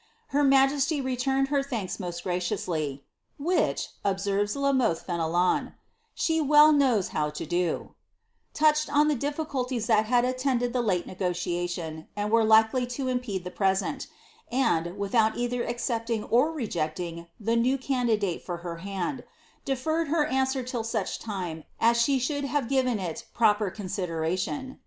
Her majesty returned her thanks most graciously, " which," observei La Mothe Fenelon, " she well knows how to do ;" touched on the dif ficulties thai had attended the late negotiation, and were likely to im pede the present; and, without either accepting or rejecting the new candidate for her hand, deferred her answer till such time as she shoald have given it proper consideration.